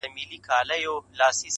څه ګلاب سوې څه نرګس او څه سنبل سوې,